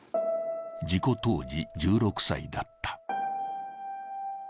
事故当時１６歳だった。